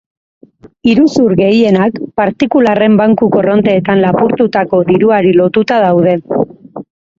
Iruzur gehienak partikularren banku-korronteetan lapurtutako diruari lotuta daude.